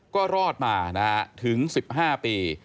ก็รอดมาถึง๑๕ปี